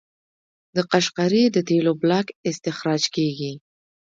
د قشقري د تیلو بلاک استخراج کیږي.